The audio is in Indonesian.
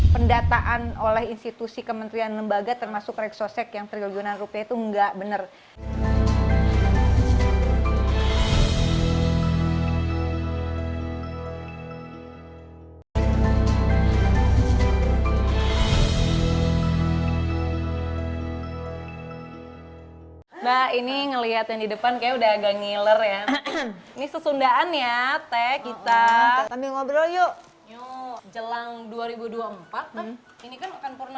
pendataan oleh institusi kementerian lembaga termasuk reksosek yang tergolong dengan rupiah itu enggak benar